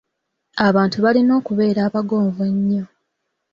Abantu balina okubeera abagonvu ennyo.